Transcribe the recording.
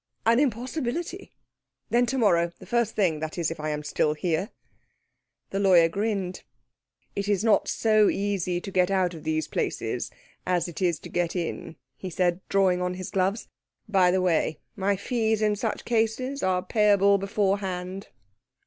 "An impossibility." "Then to morrow the first thing. That is, if I am still here." The lawyer grinned. "It is not so easy to get out of these places as it is to get in," he said, drawing on his gloves. "By the way, my fees in such cases are payable beforehand."